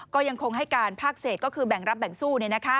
ก็ยังคงให้การภาคเศษก็คือแบ่งรับแบ่งสู้